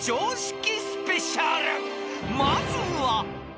［まずは］